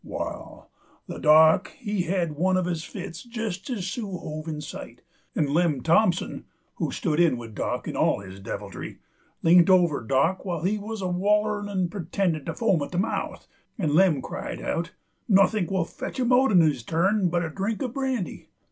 Wall, the Dock he had one uv his fits jest as Sue hove in sight, 'nd Lem Thompson (who stood in with Dock in all his deviltry) leant over Dock while he wuz wallerin' 'nd pertendin' to foam at the mouth, and Lem cried out: "Nothink will fetch him out'n this turn but a drink uv brandy."